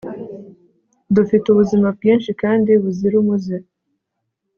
dufite ubuzima bwinshi kandi buzira umuze